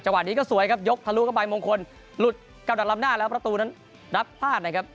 วะนี้ก็สวยครับยกทะลุเข้าไปมงคลหลุดกลับดัดลำหน้าแล้วประตูนั้นรับพลาดนะครับ